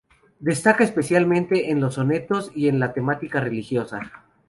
Destaca especialmente en los sonetos y en la temática religiosa.